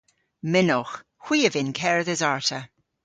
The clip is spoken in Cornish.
Mynnowgh. Hwi a vynn kerdhes arta.